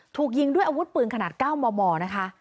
ถูกยิงด้วยอาวุธปืนขนาด๙มมนะคะ